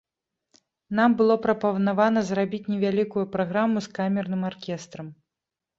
Нам было прапанавана зрабіць невялікую праграму з камерным аркестрам.